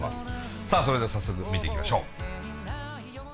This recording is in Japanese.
さあそれでは早速見ていきましょう。